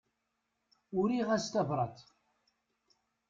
Uriɣ-as tabrat.